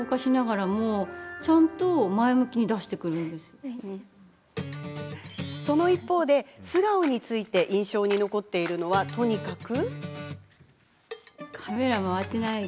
自分の中でその一方で素顔について印象に残っているのはとにかく。